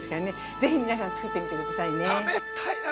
ぜひ皆さん、作ってみてくださいね。